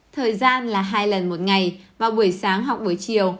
thời gian là hai lần một ngày vào buổi sáng hoặc buổi chiều